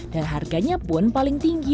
dan harganya pun paling tinggi